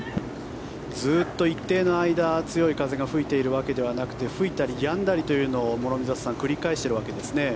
ずっと一定の間強い風が吹いているわけではなく吹いたりやんだりというのを諸見里さん繰り返しているわけですね。